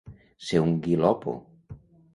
Ser un guilopo.